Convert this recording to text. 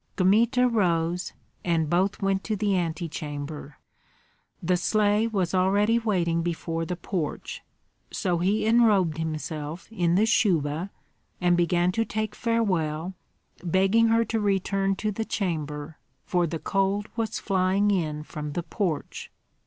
Kmita rose, and both went to the antechamber. The sleigh was already waiting before the porch; so he enrobed himself in the shuba, and began to take farewell, begging her to return to the chamber, for the cold was flying in from the porch.